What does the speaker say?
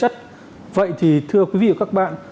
thưa quý vị và các bạn